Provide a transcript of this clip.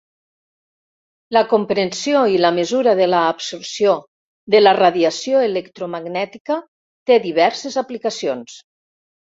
La comprensió i la mesura de l'absorció de la radiació electromagnètica té diverses aplicacions.